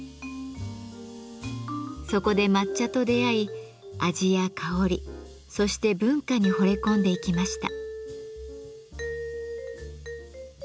そこで抹茶と出会い味や香りそして文化にほれ込んでいきました。